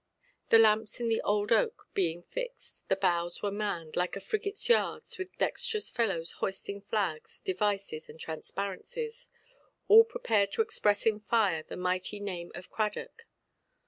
The lamps in the old oak being fixed, the boughs were manned, like a frigateʼs yards, with dexterous fellows hoisting flags, devices, and transparencies, all prepared to express in fire the mighty name of Cradock.